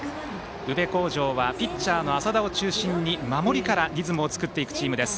宇部鴻城はピッチャーの淺田を中心に守りからリズムを作っていくチームです。